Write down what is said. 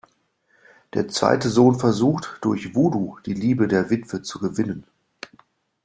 Der zweite Sohn versucht, durch Voodoo die Liebe der Witwe zu gewinnen.